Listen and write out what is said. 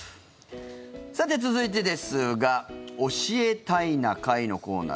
さて、続いてですが「教えたいな会」のコーナー。